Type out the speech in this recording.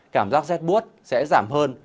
cảm giác rét bút sẽ giảm hơn